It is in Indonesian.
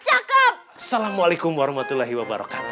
assalamualaikum warahmatullahi wabarakatuh